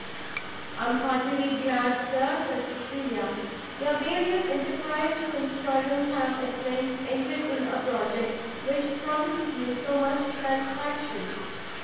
"I am heartily glad, Sir," said Cecilia, "your various enterprizes and struggles have at length ended in a project which promises you so much satisfaction.